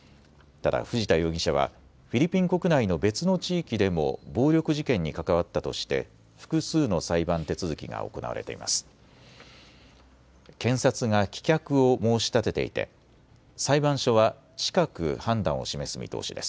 ただ藤田容疑者はフィリピン国内の別の地域でも暴力事件に関わったとして複数の裁判手続きが行われています。